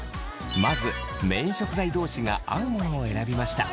まずメイン食材同士が合うものを選びました。